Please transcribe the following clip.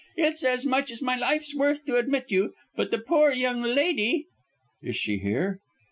"It's as much as my life's worth to admit you. But the poor young lady " "Is she here?"